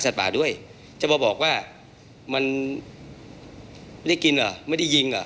มีการที่จะพยายามติดศิลป์บ่นเจ้าพระงานนะครับ